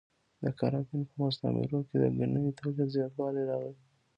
د کارابین په مستعمرو کې د ګنیو تولید زیاتوالی راغی.